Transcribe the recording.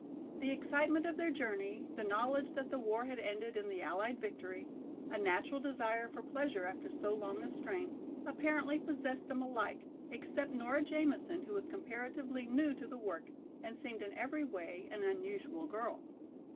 The excitement of their journey, the knowledge that the war had ended in the allied victory, a natural desire for pleasure after so long a strain, apparently possessed them alike, except Nora Jamison who was comparatively new to the work, and seemed in every way an unusual girl.